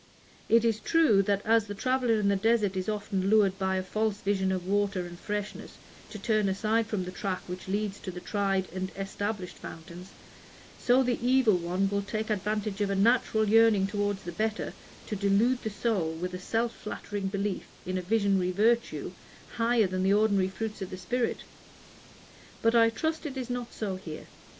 It is true that, as the traveller in the desert is often lured, by a false vision of water and freshness, to turn aside from the track which leads to the tried and established fountains, so the Evil One will take advantage of a natural yearning toward the better, to delude the soul with a self flattering belief in a visionary virtue, higher than the ordinary fruits of the Spirit. But I trust it is not so here.